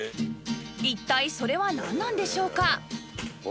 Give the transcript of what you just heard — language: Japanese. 一体それはなんなんでしょうか？